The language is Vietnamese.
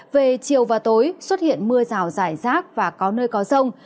về chiều và tối xuất hiện mưa rào rải rác và có nơi có rông